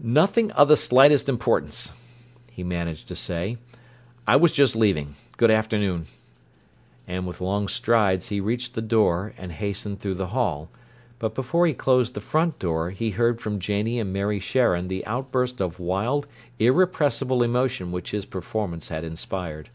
"Nothing of the slightest importance!" he managed to say. "I was just leaving. Good afternoon!" And with long strides he reached the door and hastened through the hall; but before he closed the front door he heard from Janie and Mary Sharon the outburst of wild, irrepressible emotion which his performance had inspired.